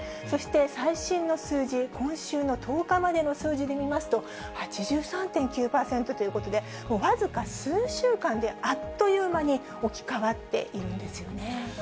そして最新の数字、今週の１０日までの数字で見ますと、８３．９％ということで、もう僅か数週間で、あっという間に置き換わっているんですよね。